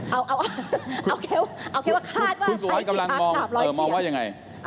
เอาแค่ว่าคาดว่าใช้กี่พัก๓๐๐เสียงคุณสุวัสดิ์กำลังมองว่ายังไง